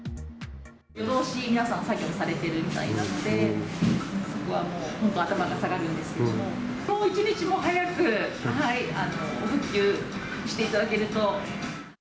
夜通し、皆さん作業されてるみたいなので、そこはもう本当、頭が下がるんですけれども、一日も早く復旧していただけると。